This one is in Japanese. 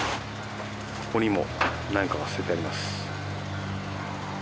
ここにも何かが捨ててあります。